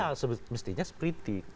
ya mestinya seperindik